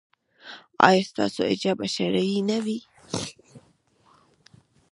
ایا ستاسو حجاب به شرعي نه وي؟